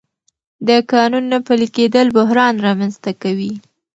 د قانون نه پلي کېدل بحران رامنځته کوي